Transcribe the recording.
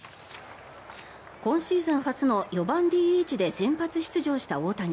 今シーズン初の４番ＤＨで先発出場した大谷。